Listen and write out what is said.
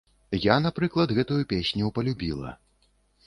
Я, напрыклад, гэтую песню палюбіла.